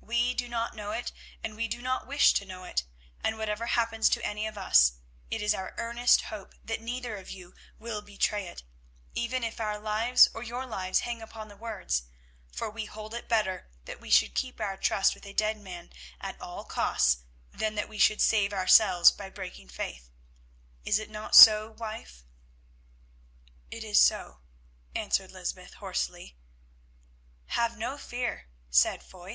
We do not know it, and we do not wish to know it, and whatever happens to any of us, it is our earnest hope that neither of you will betray it, even if our lives, or your lives, hang upon the words, for we hold it better that we should keep our trust with a dead man at all costs than that we should save ourselves by breaking faith. Is it not so, wife?" "It is so," answered Lysbeth hoarsely. "Have no fear," said Foy.